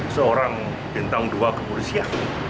seorang bintang dua kepolisian